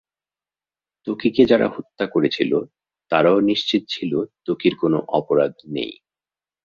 ত্বকীকে যারা হত্যা করেছিল, তারাও নিশ্চিত ছিল ত্বকীর কোনো অপরাধ নেই।